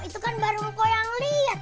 itu kan baru lo yang lihat